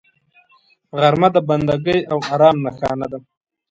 غرمه د بندګۍ او آرام نښانه ده